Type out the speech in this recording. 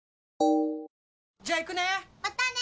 じゃあ行くね！